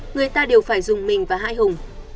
người ta đều phải dùng mình và hại hùng